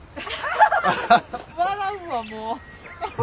笑うわもう。